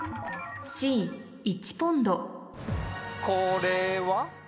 これは？